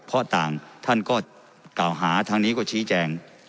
เพราะต่างท่านก็กล่าวหาทางนี้ก็ชี้แจง